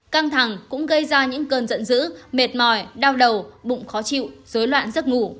căng thẳng cũng gây ra những cơn giận dữ mệt mỏi đau đầu bụng khó chịu dối loạn giấc ngủ